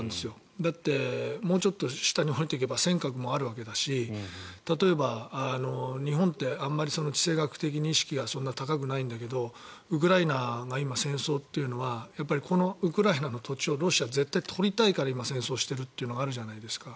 だって、もうちょっと下に下りていけば尖閣もあるわけだし例えば日本ってあまり地政学的に意識がそんなに高くないんだけどウクライナが今、戦争というのはこのウクライナの土地をロシア、絶対に取りたいから今、戦争しているというのがあるじゃないですか。